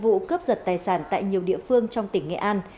và một vụ cướp tài sản tại nhiều địa phương trong tỉnh nghệ an